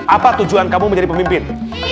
apa tujuan kamu menjadi pemimpin